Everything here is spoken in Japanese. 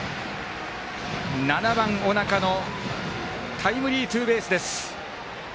７番、尾中のタイムリーツーベースです。